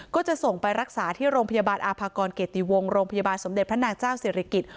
ก็จะส่งไปรักษาที่โรงพยาบาลอาภากรเกติวงโรงพยาบาลสมเด็จพระนางเจ้าศิริกิจ